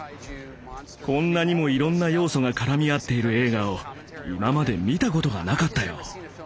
こんなにもいろんな要素が絡み合っている映画を今まで見たことがなかったよ。